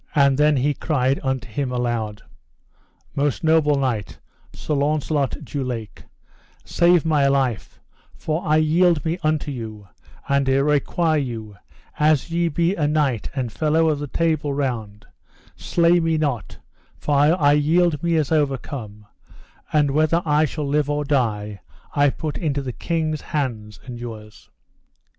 And then he cried upon him aloud: Most noble knight, Sir Launcelot du Lake, save my life, for I yield me unto you, and I require you, as ye be a knight and fellow of the Table Round, slay me not, for I yield me as overcome; and whether I shall live or die I put me in the king's hands and yours.